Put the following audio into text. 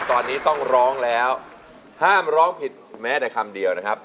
ตอนนี้ต้องร้องแล้วห้ามร้องผิดแม้แต่คำเดียวนะครับ